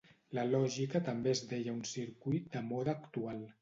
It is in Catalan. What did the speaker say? La lògica també es deia un circuit de mode actual.